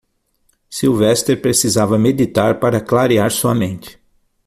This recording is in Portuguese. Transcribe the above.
Sylvester precisava meditar para clarear sua mente.